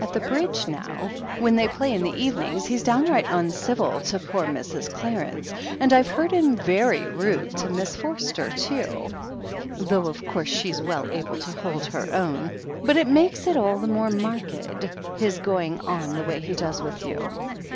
At the Bridge now, when they play in the evenings, he's downright imcivil to poor Mrs. Clarence, and I've heard him very rude to Miss Forster too, though of course she's well able to hold her own. But it makes it all the more marked, his going on the way he does with you."